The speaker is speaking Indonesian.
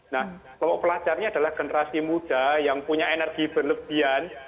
nah kelompok pelajarnya adalah generasi muda yang punya energi berlebihan